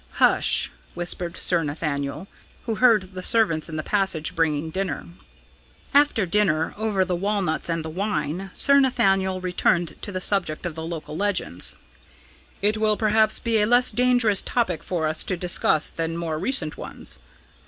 "Hush!" whispered Sir Nathaniel, who heard the servants in the passage bringing dinner. After dinner, over the walnuts and the wine, Sir Nathaniel returned to the subject of the local legends. "It will perhaps be a less dangerous topic for us to discuss than more recent ones."